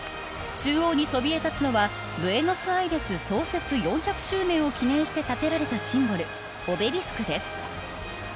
中央にそびえ立つのはブエノスアイレス創設４００周年を記念して建てられたシンボルオベリスクです。